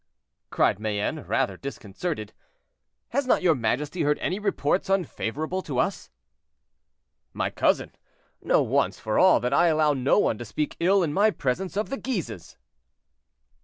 cried Mayenne, rather disconcerted; "has not your majesty heard any reports unfavorable to us?" "My cousin, know once for all that I allow no one to speak ill in my presence of the Guises."